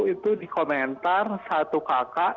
itu di komentar satu kakak